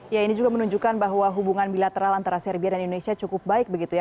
ya ini juga menunjukkan bahwa hubungan bilateral antara serbia dan indonesia cukup baik begitu ya